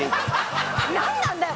何なんだよ